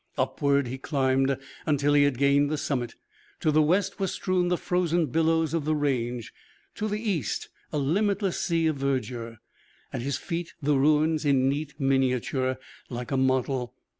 Upward he climbed until he had gained the summit. To the west were strewn the frozen billows of the range. To the east a limitless sea of verdure. At his feet the ruins in neat miniature, like a model.